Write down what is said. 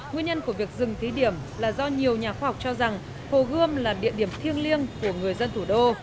nguyên nhân của việc dừng thí điểm là do nhiều nhà khoa học cho rằng hồ gươm là địa điểm thiêng liêng của người dân thủ đô